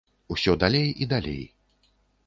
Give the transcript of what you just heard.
Усё далей і далей.